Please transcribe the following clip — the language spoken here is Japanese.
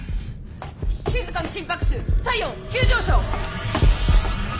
しずかの心拍数体温急上昇！